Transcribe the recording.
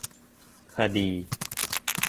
คดี